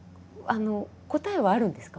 答えはあるんですか？